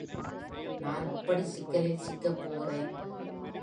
நான் எப்படி சிக்கலில் சிக்கப் போகிறேன்?